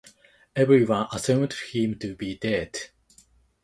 Everyone assumed him to be dead.